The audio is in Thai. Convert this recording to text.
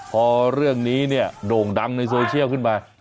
พอเรื่องนี้โด่งดังในโซเชียลขึ้นมา